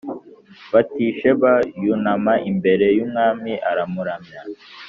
Batisheba yunama imbere y’umwami aramuramya